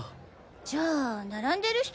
じゃあ並んでる人